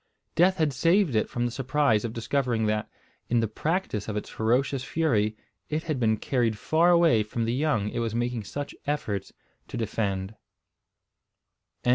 Death had saved it from the surprise of discovering that, in the practice of its ferocious fury, it had been carried far away from the young it was making such efforts to defend.